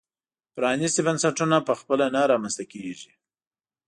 پرانیستي بنسټونه په خپله نه رامنځته کېږي.